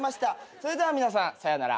それでは皆さんさよなら。